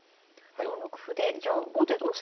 ４六歩でじゃあ後手どうすれば。